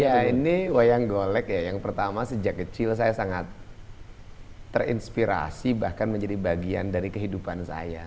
ya ini wayang golek ya yang pertama sejak kecil saya sangat terinspirasi bahkan menjadi bagian dari kehidupan saya